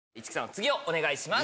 次をお願いします。